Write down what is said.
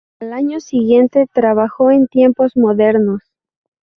Al año siguiente, trabajó en "Tiempos modernos".